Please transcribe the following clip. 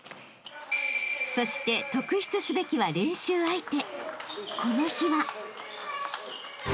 ［そして特筆すべきは練習相手］